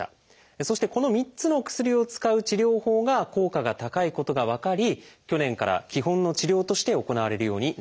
そしてこの３つの薬を使う治療法が効果が高いことが分かり去年から基本の治療として行われるようになってきたんです。